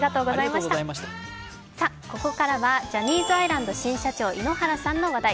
ここからはジャニーズアイランド新社長・井ノ原さんの話題。